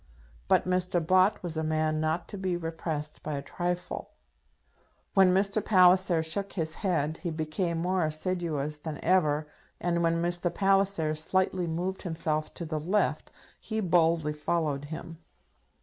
But Mr. Bott was a man not to be repressed by a trifle. When Mr. Palliser shook his head he became more assiduous than ever, and when Mr. Palliser slightly moved himself to the left, he boldly followed him.